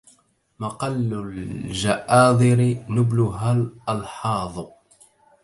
مقل الجآذر نبلها الألحاظ